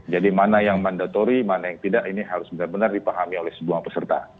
jadi mana yang mandatory mana yang tidak ini harus benar benar dipahami oleh sebuah peserta